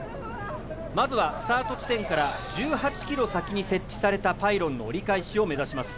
まずはスタート地点から１８ｋｍ先に設置されたパイロンの折り返しを目指します。